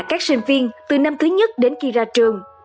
các sinh viên từ năm thứ nhất đến khi ra trường